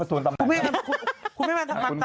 ครับคุณเขามาถวงต่อไหน